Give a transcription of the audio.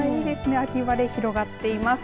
秋晴れ広がっています。